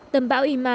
tầm bão ima